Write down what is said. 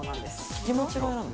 聞き間違いなんだ。